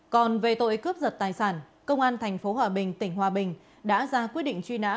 còn về tội cướp giật tài sản công an tp hòa bình tỉnh hòa bình đã ra quyết định truy nã